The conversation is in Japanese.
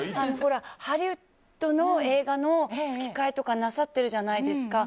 ハリウッドの映画の吹き替えとかなさってるじゃないですか。